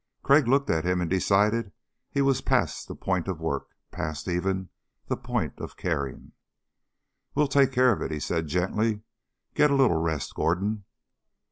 Crag looked at him and decided he was past the point of work. Past, even, the point of caring. "We'll take care of it," he said gently. "Get a little rest, Gordon."